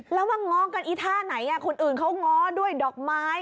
แล้วมาง้อกันอีท่าไหนคนอื่นเขาง้อด้วยดอกไม้